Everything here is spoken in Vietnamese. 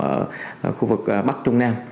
ở khu vực bắc trung nam